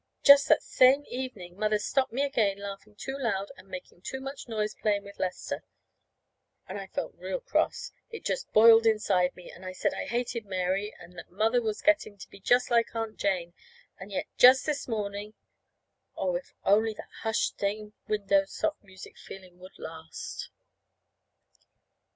Just that same evening Mother stopped me again laughing too loud and making too much noise playing with Lester; and I felt real cross. I just boiled inside of me, and said I hated Mary, and that Mother was getting to be just like Aunt Jane. And yet, just that morning Oh, if only that hushed, stained window soft music feeling would last!